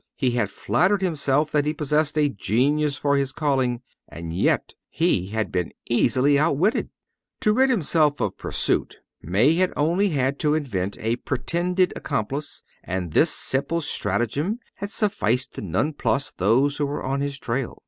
He had flattered himself that he possessed a genius for his calling, and yet he had been easily outwitted. To rid himself of pursuit, May had only had to invent a pretended accomplice, and this simple stratagem had sufficed to nonplus those who were on his trail.